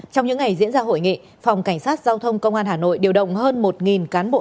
trong những ngày diễn ra hội nghị phòng cảnh sát giao thông công an hà nội điều động hơn một cán bộ